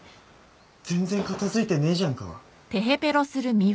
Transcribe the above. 全然片付いてねえじゃんか。